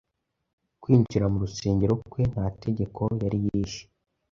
kwinjira mu rusengero kwe nta tegeko yari yishe.